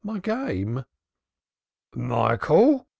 My game!" "Michael!"